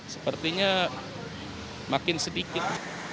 sepertinya makin sedikit